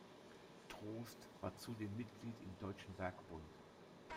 Troost war zudem Mitglied im Deutschen Werkbund.